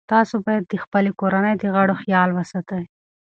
تاسو باید د خپلې کورنۍ د غړو خیال وساتئ.